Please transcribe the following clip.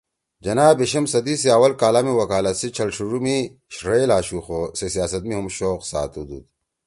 جناح بیِشم صدی سی اول کالا می وکالت سی چھل ڇھیِڙُو می ݜئیل آشُو خُو سے سیاست می ہُم شوق ساتودُود